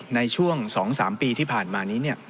ในช่วง๒๓ปีที่ผ่านมานี้